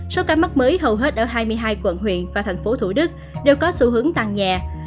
số ca mắc mới hầu hết ở hai mươi hai quận huyện và thành phố thủ đức đều có xu hướng tăng nhẹ